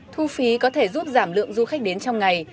thu phí có thể giúp giảm lượng du khách đến trong ngày